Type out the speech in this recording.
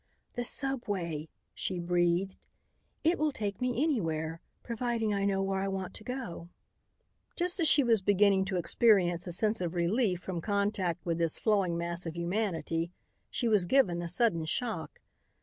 "The subway," she breathed. "It will take me anywhere, providing I know where I want to go." Just as she was beginning to experience a sense of relief from contact with this flowing mass of humanity she was given a sudden shock.